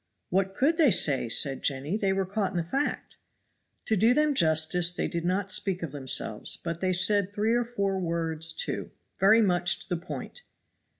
"What could they say?" said Jenny, "they were caught in the fact." "To do them justice they did not speak of themselves, but they said three or four words too very much to the point."